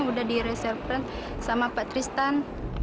sudah direserve kan sama pak tristan